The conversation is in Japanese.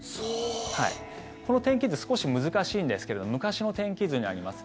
この天気図少し難しいんですけど昔の天気図になります。